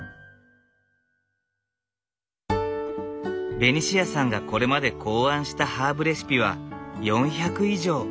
ベニシアさんがこれまで考案したハーブレシピは４００以上。